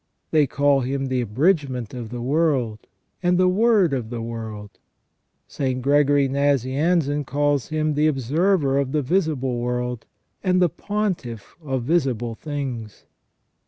They call him " the abridgment of the world " and " the word of the world ". St. Gregory Nazianzen calls him "the observer of the visible world" and "the pontiff of visible things